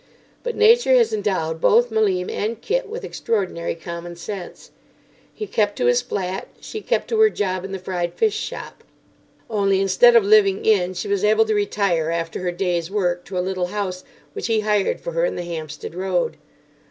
But Nature has endowed both Malim and Kit with extraordinary commonsense. He kept to his flat; she kept to her job in the fried fish shop. Only, instead of living in, she was able to retire after her day's work to a little house which he hired for her in the Hampstead Road.